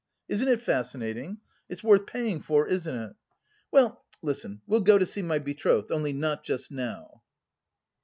Isn't it fascinating? It's worth paying for, isn't it? Well... listen, we'll go to see my betrothed, only not just now!"